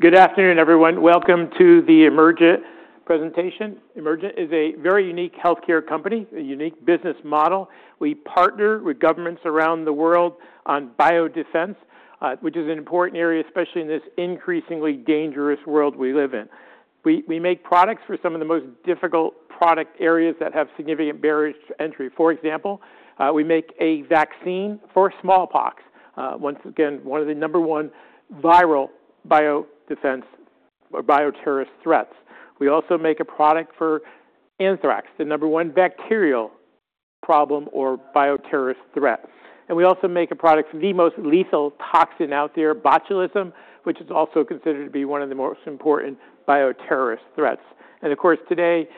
Good afternoon, everyone. Welcome to the Emergent presentation. Emergent is a very unique healthcare company, a unique business model. We partner with governments around the world on biodefense, which is an important area, especially in this increasingly dangerous world we live in. We make products for some of the most difficult product areas that have significant barriers to entry. For example, we make a vaccine for smallpox. Once again, one of the number one viral biodefense or bioterrorist threats. We also make a product for anthrax, the number one bacterial problem or bioterrorist threat. We also make a product for the most lethal toxin out there, botulism, which is also considered to be one of the most important bioterrorist threats. Of course, today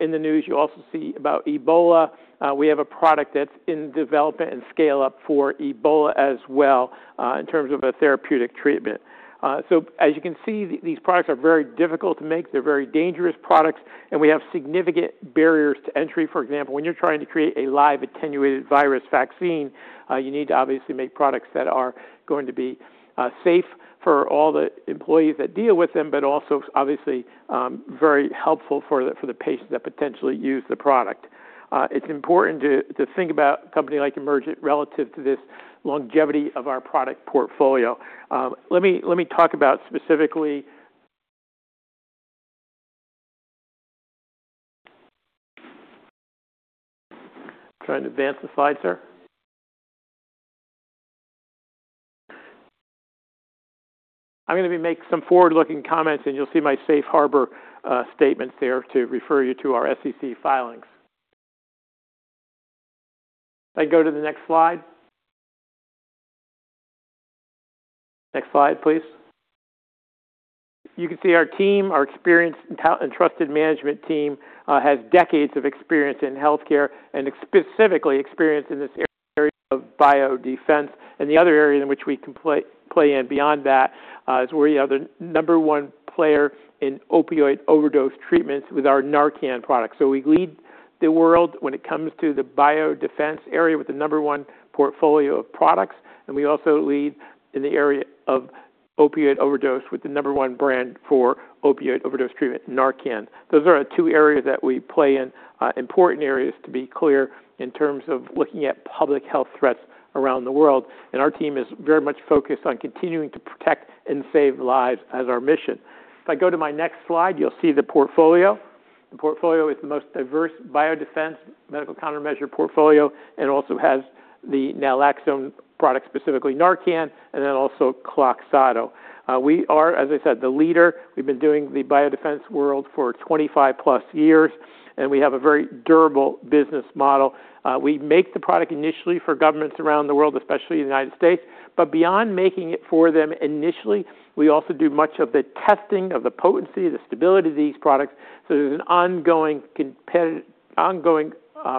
in the news, you also see about Ebola. We have a product that's in development and scale-up for Ebola as well, in terms of a therapeutic treatment. As you can see, these products are very difficult to make. They're very dangerous products, and we have significant barriers to entry. For example, when you're trying to create a live attenuated virus vaccine, you need to obviously make products that are going to be safe for all the employees that deal with them, but also obviously, very helpful for the patients that potentially use the product. It's important to think about a company like Emergent relative to this longevity of our product portfolio. Let me talk about specifically. Try and advance the slide, sir. I'm going to be making some forward-looking comments, and you'll see my safe harbor statements there to refer you to our SEC filings. If I can go to the next slide. Next slide, please. You can see our team, our experienced and trusted management team, has decades of experience in healthcare and specifically experience in this area of biodefense. The other area in which we can play in beyond that is we're the number one player in opioid overdose treatments with our NARCAN product. We lead the world when it comes to the biodefense area with the number one portfolio of products, and we also lead in the area of opioid overdose with the number one brand for opioid overdose treatment, NARCAN. Those are our two areas that we play in, important areas to be clear, in terms of looking at public health threats around the world, and our team is very much focused on continuing to protect and save lives as our mission. If I go to my next slide, you'll see the portfolio. The portfolio is the most diverse biodefense medical countermeasure portfolio and also has the naloxone product, specifically NARCAN, and also KLOXXADO. We are, as I said, the leader. We've been doing the biodefense world for 25+ years, and we have a very durable business model. We make the product initially for governments around the world, especially the United States. Beyond making it for them initially, we also do much of the testing of the potency, the stability of these products. There's an ongoing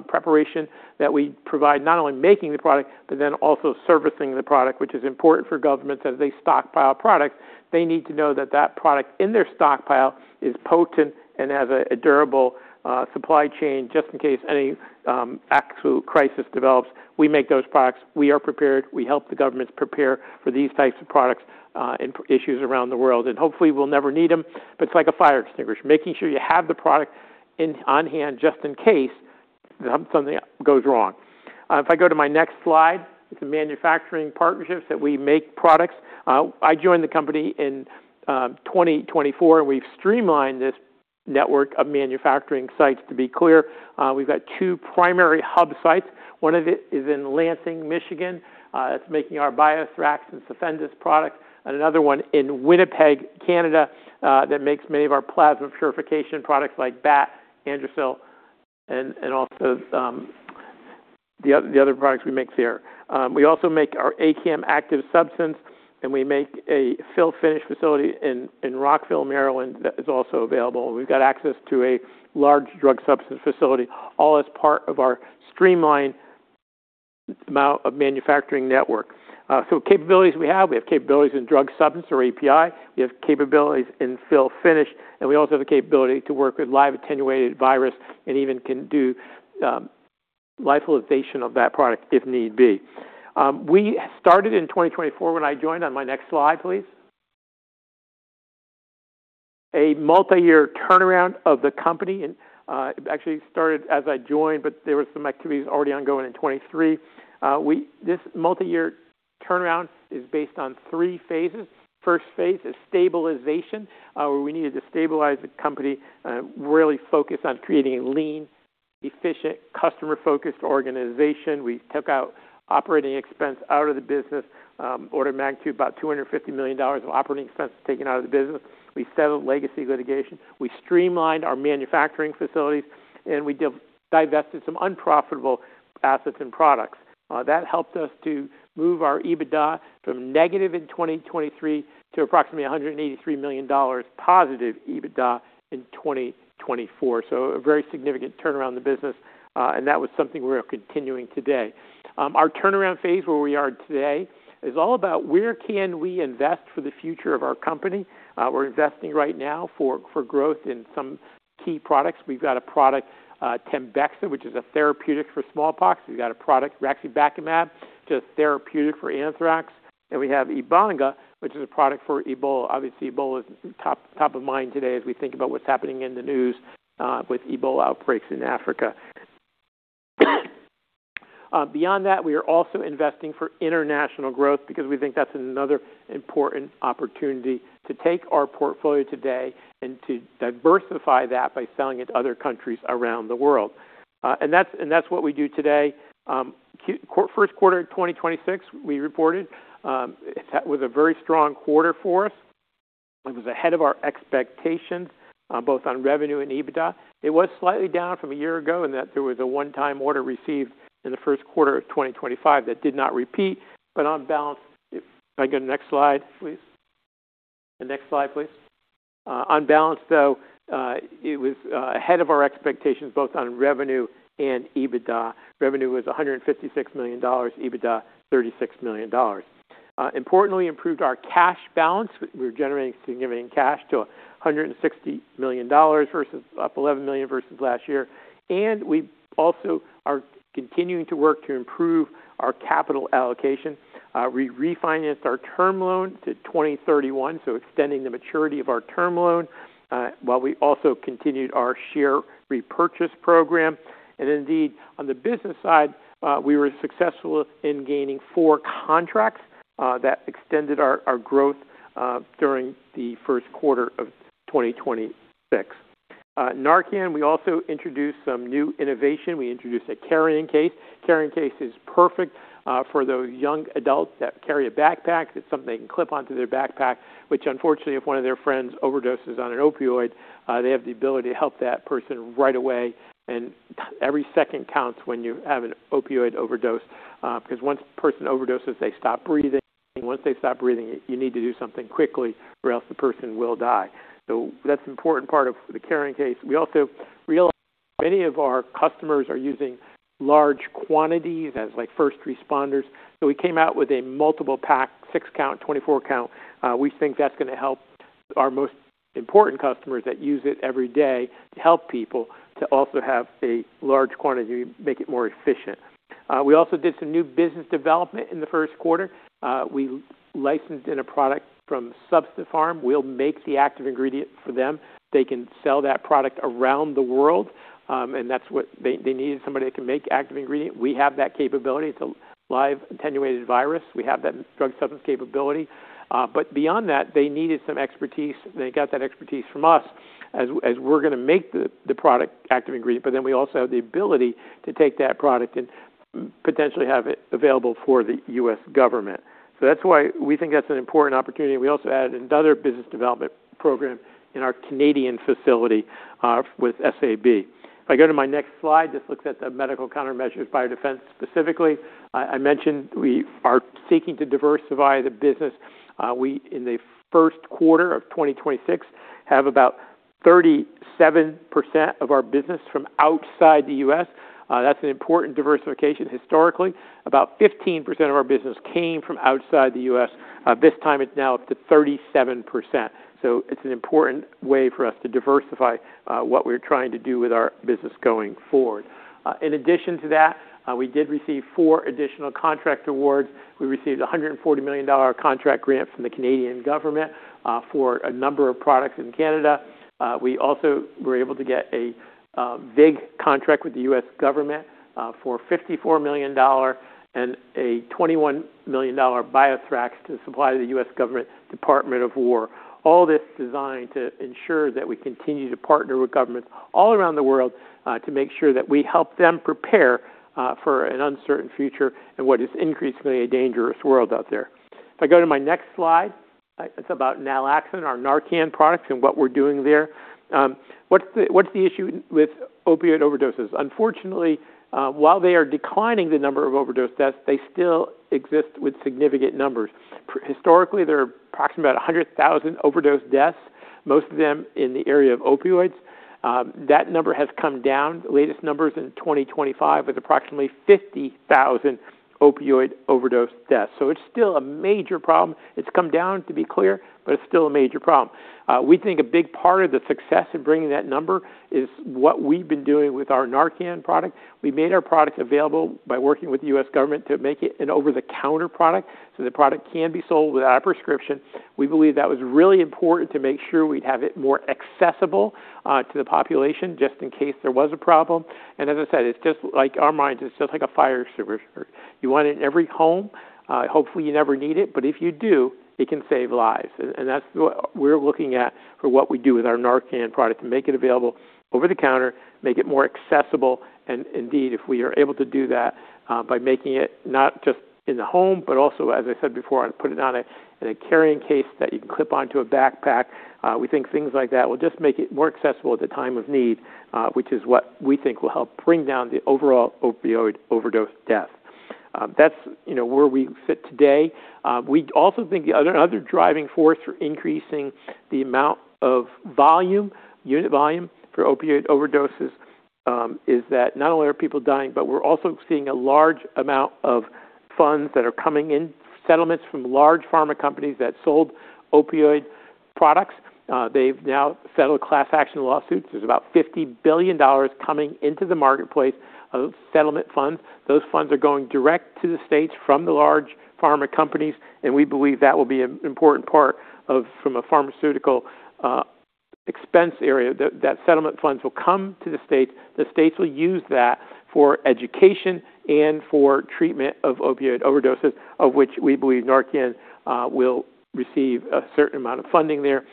preparation that we provide, not only making the product, but then also servicing the product, which is important for governments as they stockpile products. They need to know that that product in their stockpile is potent and has a durable supply chain just in case any actual crisis develops. We make those products. We are prepared. We help the governments prepare for these types of products and issues around the world. Hopefully, we'll never need them, but it's like a fire extinguisher. Making sure you have the product on hand just in case something goes wrong. If I go to my next slide, it's the manufacturing partnerships that we make products. I joined the company in 2024. We've streamlined this network of manufacturing sites, to be clear. We've got two primary hub sites. One of it is in Lansing, Michigan. It's making our BioThrax and CYFENDUS product. And another one in Winnipeg, Canada, that makes many of our plasma purification products like BAT, Anthrasil, and also the other products we make there. We also make our ACAM2000 active substance, and we make a fill finish facility in Rockville, Maryland, that is also available. We've got access to a large drug substance facility, all as part of our streamlined amount of manufacturing network. Capabilities we have, we have capabilities in drug substance or API. We have capabilities in fill finish. We also have the capability to work with live attenuated virus and even can do lyophilization of that product if need be. We started in 2024 when I joined. On my next slide, please. A multi-year turnaround of the company. It actually started as I joined, but there were some activities already ongoing in 2023. This multi-year turnaround is based on three phases. First phase is stabilization, where we needed to stabilize the company, really focus on creating a lean, efficient, customer-focused organization. We took out operating expense out of the business, order of magnitude about $250 million of operating expenses taken out of the business. We settled legacy litigation. We streamlined our manufacturing facilities. We divested some unprofitable assets and products. That helped us to move our EBITDA from negative in 2023 to approximately $183 million positive EBITDA in 2024. A very significant turnaround in the business, and that was something we are continuing today. Our turnaround phase, where we are today, is all about where can we invest for the future of our company. We're investing right now for growth in some key products. We've got a product, TEMBEXA, which is a therapeutic for smallpox. We've got a product, raxibacumab, which is a therapeutic for anthrax. We have Ebanga, which is a product for Ebola. Obviously, Ebola is top of mind today as we think about what's happening in the news with Ebola outbreaks in Africa. Beyond that, we are also investing for international growth because we think that's another important opportunity to take our portfolio today and to diversify that by selling it to other countries around the world. That's what we do today. First quarter 2026, we reported, that was a very strong quarter for us. It was ahead of our expectations, both on revenue and EBITDA. It was slightly down from a year ago in that there was a one-time order received in the first quarter of 2025 that did not repeat. On balance, if I go to next slide, please. The next slide, please. On balance, though, it was ahead of our expectations both on revenue and EBITDA. Revenue was $156 million, EBITDA, $36 million. Importantly, we improved our cash balance. We're generating significant cash to $160 million, up $11 million versus last year. We also are continuing to work to improve our capital allocation. We refinanced our term loan to 2031, so extending the maturity of our term loan, while we also continued our share repurchase program. Indeed, on the business side, we were successful in gaining four contracts, that extended our growth during the first quarter of 2026. NARCAN, we also introduced some new innovation. We introduced a carrying case. Carrying case is perfect for those young adults that carry a backpack. It's something they can clip onto their backpack, which unfortunately, if one of their friends overdoses on an opioid, they have the ability to help that person right away. Every second counts when you have an opioid overdose, because once the person overdoses, they stop breathing, and once they stop breathing, you need to do something quickly or else the person will die. That's an important part of the carrying case. We also realized many of our customers are using large quantities as first responders. We came out with a multiple pack, six count, 24 count. We think that's going to help our most important customers that use it every day to help people to also have a large quantity, make it more efficient. We also did some new business development in the first quarter. We licensed in a product from Substipharm. We'll make the active ingredient for them. They can sell that product around the world, and that's what they needed, somebody that can make active ingredient. We have that capability. It's a live attenuated virus. We have that drug substance capability. Beyond that, they needed some expertise, and they got that expertise from us as we're going to make the product active ingredient. We also have the ability to take that product and potentially have it available for the U.S. government. That's why we think that's an important opportunity. We also added another business development program in our Canadian facility, with SAB. If I go to my next slide, this looks at the medical countermeasures biodefense. Specifically, I mentioned we are seeking to diversify the business. We, in the first quarter of 2026, have about 37% of our business from outside the U.S. That's an important diversification historically. About 15% of our business came from outside the U.S. This time it's now up to 37%. It's an important way for us to diversify, what we're trying to do with our business going forward. In addition to that, we did receive four additional contract awards. We received $140 million contract grant from the Canadian government for a number of products in Canada. We also were able to get a big contract with the U.S. government for $54 million and a $21 million BioThrax to supply the U.S. Department of Defense. All this designed to ensure that we continue to partner with governments all around the world, to make sure that we help them prepare for an uncertain future and what is increasingly a dangerous world out there. If I go to my next slide, it's about naloxone, our NARCAN products, and what we're doing there. What's the issue with opioid overdoses? Unfortunately, while they are declining the number of overdose deaths, they still exist with significant numbers. Historically, there are approximately about 100,000 overdose deaths, most of them in the area of opioids. That number has come down. The latest numbers in 2025 with approximately 50,000 opioid overdose deaths. It's still a major problem. It's come down, to be clear, it's still a major problem. We think a big part of the success of bringing that number is what we've been doing with our NARCAN product. We made our product available by working with the U.S. government to make it an over-the-counter product, the product can be sold without a prescription. We believe that was really important to make sure we'd have it more accessible to the population, just in case there was a problem. As I said, it's just like our medicine. It's just like a fire extinguisher. You want it in every home. Hopefully, you never need it, if you do, it can save lives. That's what we're looking at for what we do with our NARCAN product, to make it available over-the-counter, make it more accessible. If we are able to do that, by making it not just in the home, as I said before, put it on a carrying case that you can clip onto a backpack. We think things like that will just make it more accessible at the time of need, which is what we think will help bring down the overall opioid overdose death. That's where we sit today. We also think the other driving force for increasing the amount of unit volume for opioid overdoses, is that not only are people dying, we're also seeing a large amount of funds that are coming in, settlements from large pharma companies that sold opioid products. They've now settled class action lawsuits. There's about $50 billion coming into the marketplace of settlement funds. Those funds are going direct to the states from the large pharma companies, we believe that will be an important part from a pharmaceutical expense area, that settlement funds will come to the states. The states will use that for education and for treatment of opioid overdoses, of which we believe NARCAN will receive a certain amount of funding there.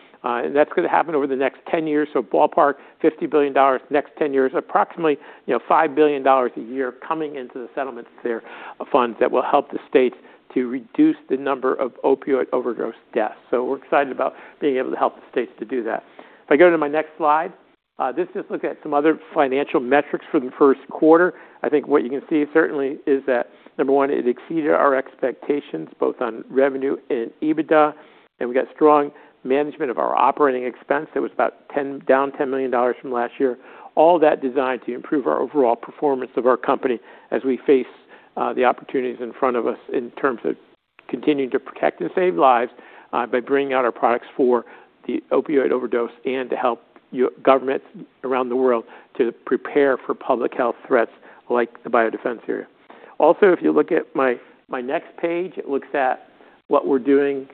That's going to happen over the next 10 years, ballpark $50 billion next 10 years, approximately $5 billion a year coming into the settlements there of funds that will help the states to reduce the number of opioid overdose deaths. We're excited about being able to help the states to do that. If I go to my next slide, this just looks at some other financial metrics for the first quarter. I think what you can see certainly is that, number one, it exceeded our expectations, both on revenue and EBITDA, we got strong management of our operating expense. That was about down $10 million from last year. All that designed to improve our overall performance of our company as we face the opportunities in front of us in terms of continuing to protect and save lives by bringing out our products for the opioid overdose and to help governments around the world to prepare for public health threats like the biodefense area. If you look at my next page, it looks at what we're doing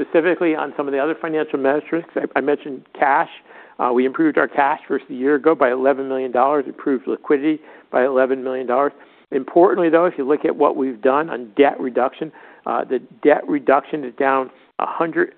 specifically on some of the other financial metrics. I mentioned cash. We improved our cash versus a year ago by $11 million, improved liquidity by $11 million. Importantly, though, if you look at what we've done on debt reduction, the debt reduction is down $110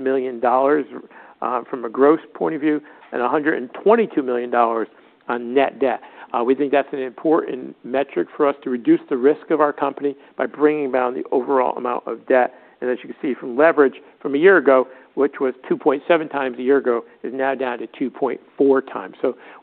million from a gross point of view and $122 million on net debt. We think that's an important metric for us to reduce the risk of our company by bringing down the overall amount of debt. As you can see from leverage from a year ago, which was 2.7x a year ago, is now down to 2.4x.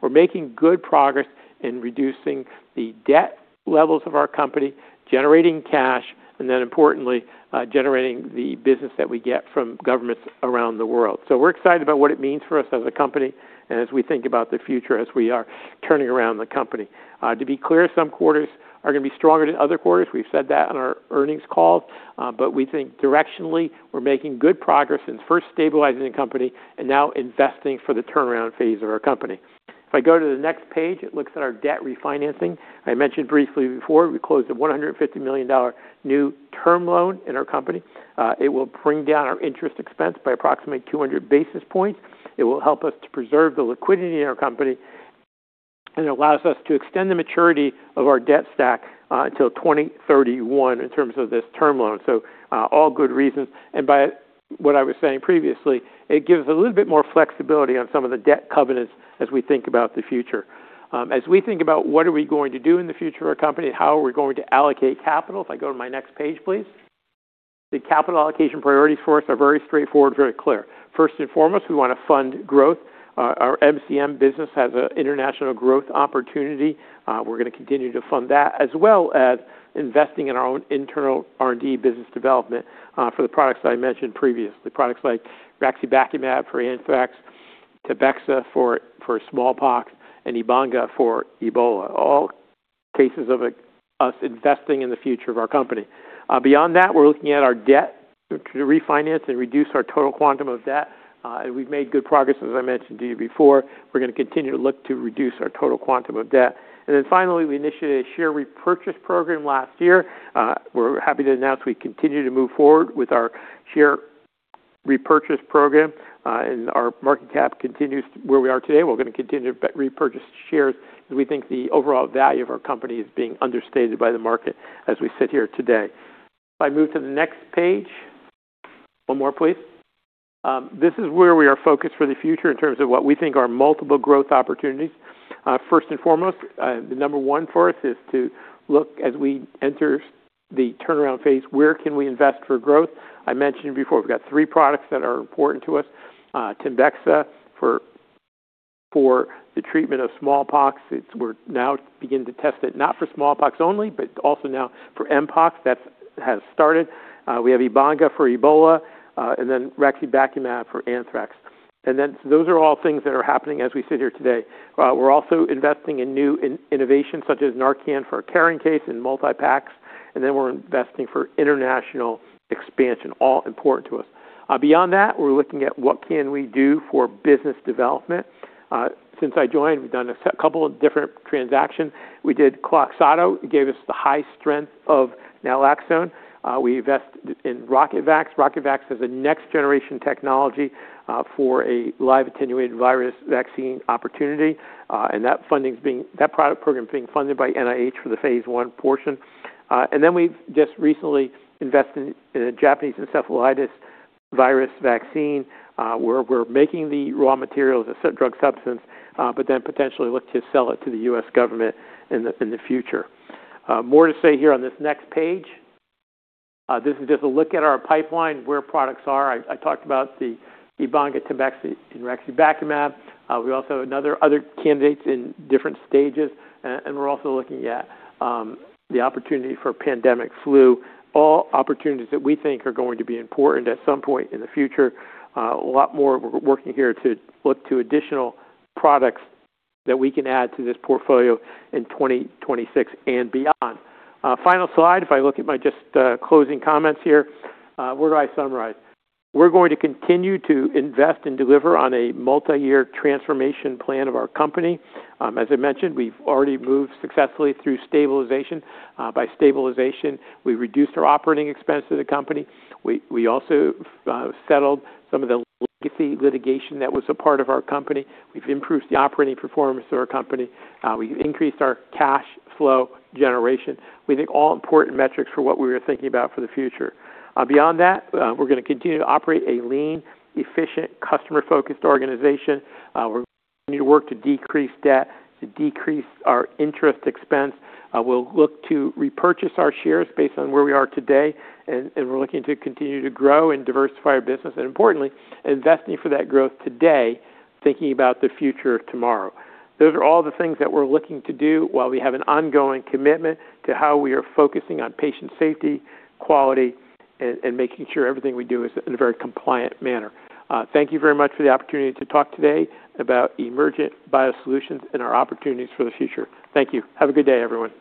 We're making good progress in reducing the debt levels of our company, generating cash, and then importantly, generating the business that we get from governments around the world. We're excited about what it means for us as a company and as we think about the future as we are turning around the company. To be clear, some quarters are going to be stronger than other quarters. We've said that on our earnings call. We think directionally, we're making good progress in first stabilizing the company and now investing for the turnaround phase of our company. If I go to the next page, it looks at our debt refinancing. I mentioned briefly before, we closed a $150 million new term loan in our company. It will bring down our interest expense by approximately 200 basis points. It will help us to preserve the liquidity in our company, and it allows us to extend the maturity of our debt stack until 2031 in terms of this term loan. All good reasons. By what I was saying previously, it gives a little bit more flexibility on some of the debt covenants as we think about the future. As we think about what are we going to do in the future of our company, how are we going to allocate capital, if I go to my next page, please. The capital allocation priorities for us are very straightforward, very clear. First and foremost, we want to fund growth. Our MCM business has an international growth opportunity. We're going to continue to fund that, as well as investing in our own internal R&D business development for the products that I mentioned previously, products like raxibacumab for anthrax, TEMBEXA for smallpox, and Ebanga for Ebola, all cases of us investing in the future of our company. Beyond that, we're looking at our debt to refinance and reduce our total quantum of debt. We've made good progress, as I mentioned to you before. We're going to continue to look to reduce our total quantum of debt. Finally, we initiated a share repurchase program last year. We're happy to announce we continue to move forward with our share repurchase program and our market cap continues where we are today. We're going to continue to repurchase shares as we think the overall value of our company is being understated by the market as we sit here today. If I move to the next page. One more, please. This is where we are focused for the future in terms of what we think are multiple growth opportunities. First and foremost, the number one for us is to look as we enter the turnaround phase, where can we invest for growth? I mentioned before, we've got three products that are important to us. TEMBEXA for the treatment of smallpox. We're now beginning to test it not for smallpox only, but also now for mpox. That has started. We have Ebanga for Ebola and then raxibacumab for anthrax. Those are all things that are happening as we sit here today. We're also investing in new innovations such as NARCAN for a carrying case and multi-packs. We're investing for international expansion, all important to us. Beyond that, we're looking at what can we do for business development. Since I joined, we've done a couple of different transactions. We did KLOXXADO. It gave us the high strength of naloxone. We invest in RocketVax. RocketVax is a next-generation technology for a live attenuated virus vaccine opportunity. That product program is being funded by NIH for the phase I portion. We've just recently invested in a Japanese encephalitis virus vaccine, where we're making the raw materials, the drug substance, but then potentially look to sell it to the U.S. government in the future. More to say here on this next page. This is just a look at our pipeline, where products are. I talked about the Ebanga, TEMBEXA, and raxibacumab. We also have other candidates in different stages. We're also looking at the opportunity for pandemic flu, all opportunities that we think are going to be important at some point in the future. A lot more we're working here to look to additional products that we can add to this portfolio in 2026 and beyond. Final slide. If I look at my just closing comments here, where do I summarize? We're going to continue to invest and deliver on a multi-year transformation plan of our company. As I mentioned, we've already moved successfully through stabilization. By stabilization, we reduced our operating expense of the company. We also settled some of the legacy litigation that was a part of our company. We've improved the operating performance of our company. We've increased our cash flow generation. We think all important metrics for what we were thinking about for the future. Beyond that, we're going to continue to operate a lean, efficient, customer-focused organization. We're going to work to decrease debt, to decrease our interest expense. We'll look to repurchase our shares based on where we are today. We're looking to continue to grow and diversify our business, importantly, investing for that growth today, thinking about the future tomorrow. Those are all the things that we're looking to do while we have an ongoing commitment to how we are focusing on patient safety, quality, and making sure everything we do is in a very compliant manner. Thank you very much for the opportunity to talk today about Emergent BioSolutions and our opportunities for the future. Thank you. Have a good day, everyone.